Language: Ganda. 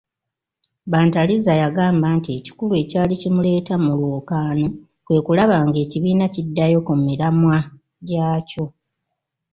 Bantariza yagamba nti ekikulu ekyali kimuleeta mu lwokaano kwekulaba nga ekibiina kiddayo kumiramwa gyaakyo.